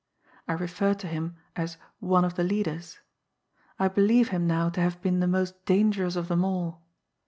I referred to him as 'one of the leaders' I believe him now to have been the most dangerous of them all.